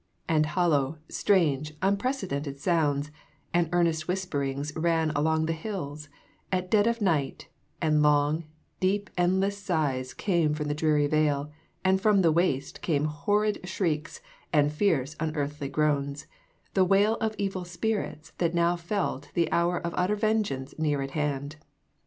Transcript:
And hollow, strange, unprecedented sounds, And earnest whisperings ran along the hills, At dead of night: and long, deep endless sighs Came from the dreary vale; and from the waste Came horrid shrieks, and fierce unearthly groans, The wail of evil spirits that now felt The hour of utter vengeance near at hand.